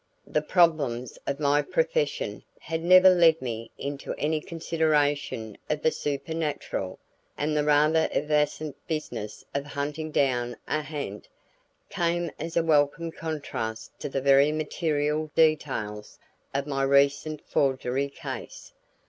The problems of my profession had never led me into any consideration of the supernatural, and the rather evanescent business of hunting down a ha'nt came as a welcome contrast to the very material details of my recent forgery case.